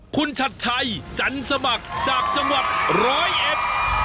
คุณชัดชัยจันสมัครจากจังหวัดร้อยเอ็ด